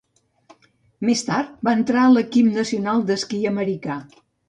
Més tard, va entrenar l'equip nacional d'esquí americà.